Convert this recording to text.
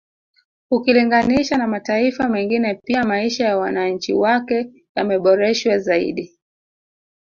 Ukilinganisha na mataifa mengine pia maisha ya wananchi wake yameboreshwa zaidi